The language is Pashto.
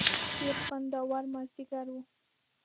ډېر خوندور مازیګر و.